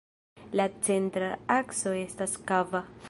La centra akso estas kava.